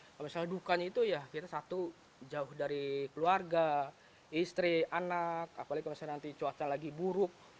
kalau misalnya dukanya itu ya kita satu jauh dari keluarga istri anak apalagi kalau misalnya nanti cuaca lagi buruk